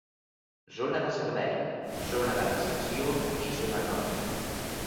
Zona de Servei, Zona de Recepció i Zona Roja.